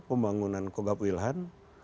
pembangunan kogab wilhan